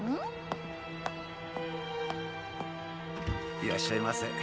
いらっしゃいませ。